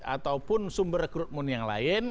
ataupun sumber rekrutmen yang lain